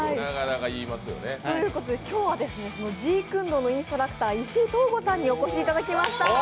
今日はそのジークンドーのインストラクター石井東吾さんにお越しいただきました。